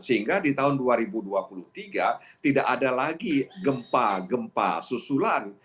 sehingga di tahun dua ribu dua puluh tiga tidak ada lagi gempa gempa susulan